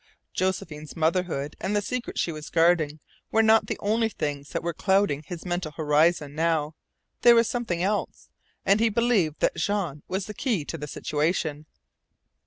Josephine's motherhood and the secret she was guarding were not the only things that were clouding his mental horizon now. There was something else. And he believed that Jean was the key to the situation.